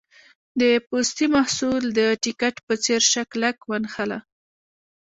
د پوستي محصول د ټیکټ په څېر شه کلک ونښله.